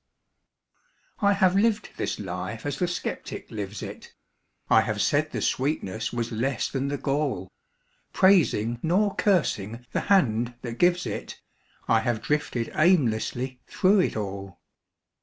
I have lived this life as the skeptic lives it; I have said the sweetness was less than the gall; Praising, nor cursing, the Hand that gives it, I have drifted aimlessly through it all.